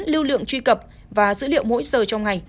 lưu lượng truy cập và dữ liệu mỗi giờ trong ngày